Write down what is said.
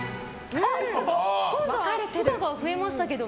不可が増えましたけど。